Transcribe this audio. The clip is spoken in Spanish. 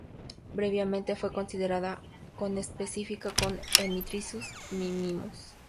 Previamente fue considerada conespecífica con "Hemitriccus minimus".